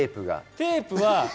テープは。